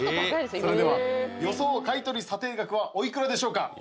それでは予想買取査定額はおいくらでしょうか？